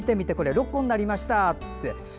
６個になりました。